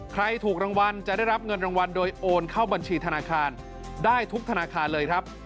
ใครถูกรางวัลจะได้รับเงินรางวัลโดยโอนเข้าบัญชีธนาคารได้ทุกธนาคารเลยครับ